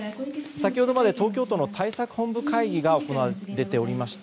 先ほどまで東京都の対策本部会議が行われておりました。